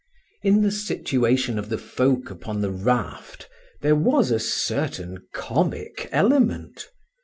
In the situation of the folk upon the raft there was a certain comic element.